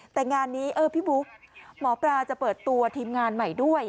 แต่งานนี้เออพี่บุ๊คหมอปลาจะเปิดตัวทีมงานใหม่ด้วย